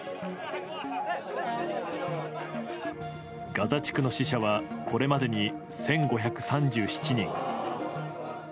ガザ地区の死者はこれまでに１５３７人。